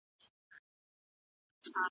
د بسمل ورته په دوو لاسو سلام دی